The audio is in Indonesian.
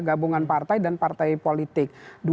gabungan partai dan partai politik